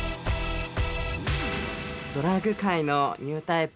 ドラァグ界のニュータイプ